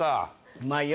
うまいよ